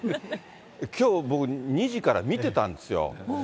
きょう、僕、２時から見てたんですよ。